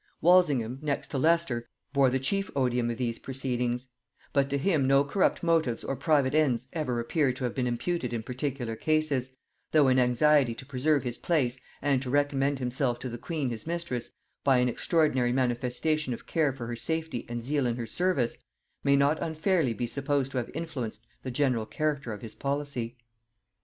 Walsingham, next to Leicester, bore the chief odium of these proceedings; but to him no corrupt motives or private ends ever appear to have been imputed in particular cases, though an anxiety to preserve his place, and to recommend himself to the queen his mistress by an extraordinary manifestation of care for her safety and zeal in her service, may not unfairly be supposed to have influenced the general character of his policy.